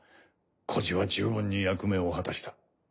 居士は十分に役目を果たした。